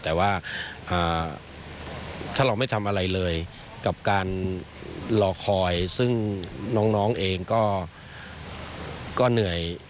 แต่ว่าถ้าเราไม่ทำอะไรเลยกับการรอคอยซึ่งน้องเองก็เหนื่อย